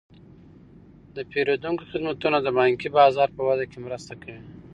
د پیرودونکو خدمتونه د بانکي بازار په وده کې مرسته کوي.